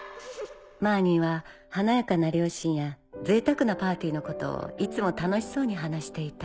マーニーは華やかな両親やぜいたくなパーティーのことをいつも楽しそうに話していた。